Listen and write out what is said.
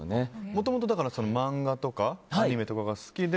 もともと漫画とかアニメとかが好きで？